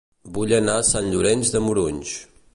Vull anar a Sant Llorenç de Morunys